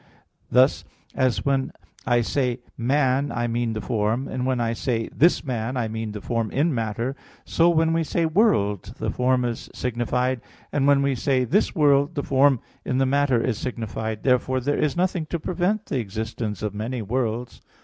Thus as when I say "man" I mean the form, and when I say "this man," I mean the form in matter; so when we say "world," the form is signified, and when we say "this world," the form in the matter is signified. Therefore there is nothing to prevent the existence of many worlds.